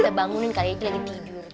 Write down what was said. kita bangunin kali ini lagi tidur